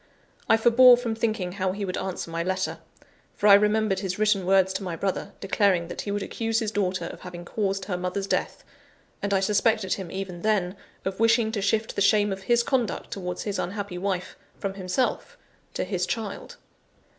I forbore from thinking how he would answer my letter; for I remembered his written words to my brother, declaring that he would accuse his daughter of having caused her mother's death; and I suspected him even then, of wishing to shift the shame of his conduct towards his unhappy wife from himself to his child.